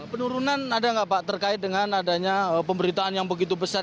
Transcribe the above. penurunan ada nggak pak terkait dengan adanya pemberitaan yang begitu besar